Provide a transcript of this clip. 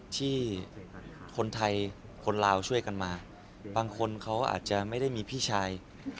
ที่คนไทยคนลาวช่วยกันมาบางคนเขาอาจจะไม่ได้มีพี่ชาย